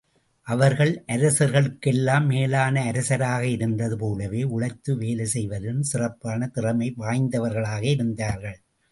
அவர்கள் அரசர்களுக்கெல்லாம் மேலான அரசராக இருந்தது போலவே, உழைத்து வேலை செய்வதிலும் சிறப்பான திறமை வாய்ந்தவர்களாக இருந்தார்கள்.